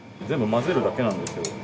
全部混ぜるだけなんですよ。